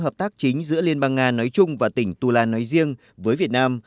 hợp tác chính giữa liên bang nga nói chung và tỉnh tula nói riêng với việt nam